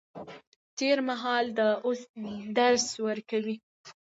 تېر مهال د اوس درس ورکوي.